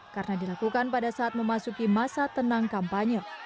karena dilakukan pada saat memasuki masa tenang kampanye